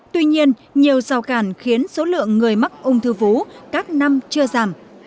tuy nhiên nhiều rào cản khiến số lượng người mắc ung thư vú các năm chưa giảm